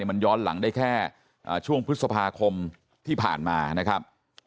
มันย้อนหลังได้แค่ช่วงพฤษภาคมที่ผ่านมานะครับ